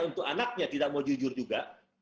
untuk anaknya tidak mau jujur juga